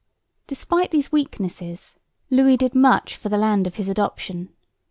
Despite these weaknesses Louis did much for the land of his adoption.